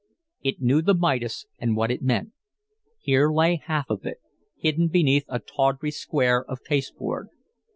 It knew the Midas and what it meant. Here lay half of it, hidden beneath a tawdry square of pasteboard.